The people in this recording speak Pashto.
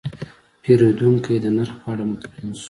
پیرودونکی د نرخ په اړه مطمین شو.